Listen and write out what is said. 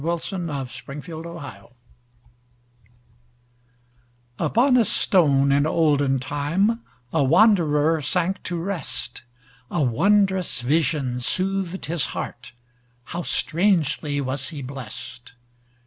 Isaacs Pillow and Stone UPON a stone in olden timeA wanderer sank to rest.A wondrous vision soothed his heartHow strangely was he blessed!